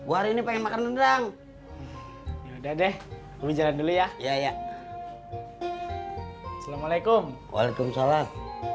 hari ini pengen makan rendang udah deh berjalan dulu ya ya ya assalamualaikum waalaikumsalam